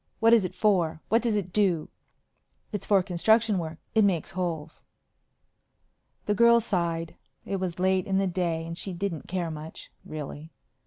"What is it for? What does it do?" "It's for construction work. It makes holes." The girl sighed. It was late in the day and she didn't care much, really.